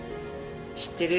知ってる？